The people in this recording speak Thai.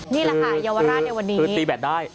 นี่แหละค่ะเยาวราชในวันนี้คือตีแบตได้